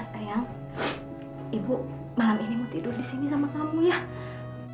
saya tuh lihat bu dengan mata kepala matte sendiri pak maman dan yang tangannya bu ernik